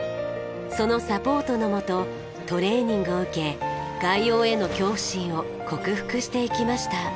そのサポートのもとトレーニングを受け外洋への恐怖心を克服していきました。